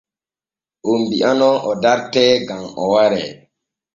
Oon bi’anoo o dartee gam o waree.